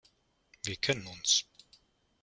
Wir kennen uns.